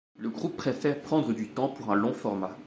Le groupe préfère prendre du temps pour un long format.